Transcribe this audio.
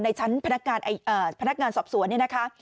ในชั้นพนักงานสอบสวนเนี่ยนะคะ